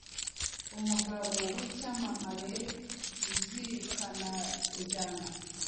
Umugabo wicyamamareuzirikana injyana